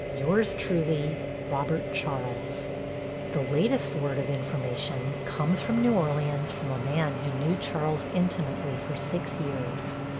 Yours truly, Robert Charles The latest word of information comes from New Orleans from a man who knew Charles intimately for six years.